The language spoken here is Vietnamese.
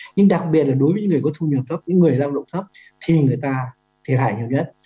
nhưng đặc biệt là đối với những người có thu nhập thấp những người lao động thấp thì người ta thiệt hại nhiều nhất